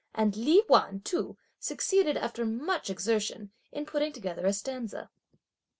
And Li Wan too succeeded, after much exertion, in putting together a stanza.